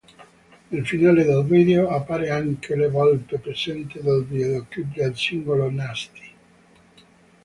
Nel finale del video appare anche la volpe presente nel videoclip del singolo "Nasty".